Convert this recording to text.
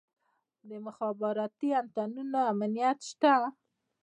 د مخابراتي انتنونو امنیت شته؟